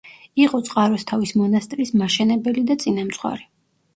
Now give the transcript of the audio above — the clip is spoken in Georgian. იყო წყაროსთავის მონასტრის მაშენებელი და წინამძღვარი.